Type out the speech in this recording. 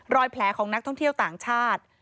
รอยแผลของนักท่องเที่ยวต่างชาติ